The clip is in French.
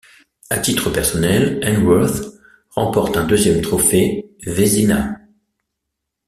À titre personnel, Hainsworth remporte un deuxième trophée Vézina.